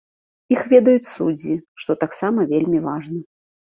Іх ведаюць суддзі, што таксама вельмі важна.